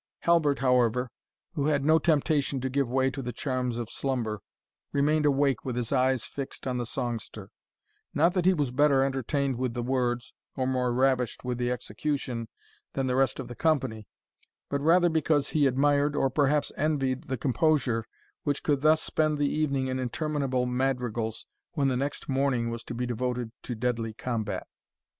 Halbert, however, who had no temptation to give way to the charms of slumber, remained awake with his eyes fixed on the songster; not that he was better entertained with the words, or more ravished with the execution, than the rest of the company, but rather because he admired, or perhaps envied, the composure, which could thus spend the evening in interminable madrigals, when the next morning was to be devoted to deadly combat.